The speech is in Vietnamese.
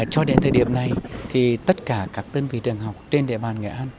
cho đến thời điểm này thì tất cả các đơn vị trường học trên địa bàn nghệ an